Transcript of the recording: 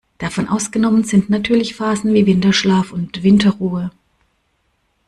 Davon ausgenommen sind natürlich Phasen wie Winterschlaf und Winterruhe.